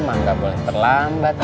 mah gak boleh terlambat